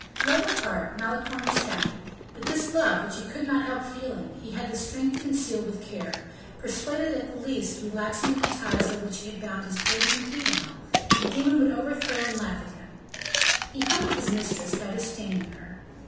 Love apart, Malicorne was happy; but this love, which he could not help feeling, he had the strength to conceal with care; persuaded that at the least relaxing of the ties by which he had bound his Protean female, the demon would overthrow and laugh at him. He humbled his mistress by disdaining her.